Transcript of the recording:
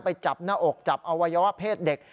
ไปจับหน้าอกจับอวัยวะเพศเด็ก